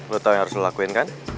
lo tau yang harus lo lakuin kan